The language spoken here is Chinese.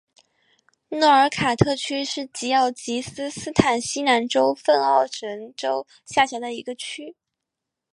诺奥卡特区是吉尔吉斯斯坦西南州份奥什州下辖的一个区。